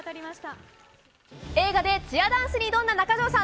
映画でチアダンスに挑んだ中条さん。